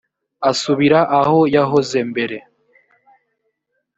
asubira aho yahoze mbere